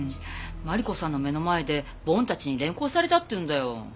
真理子さんの目の前でボンたちに連行されたっていうんだよ。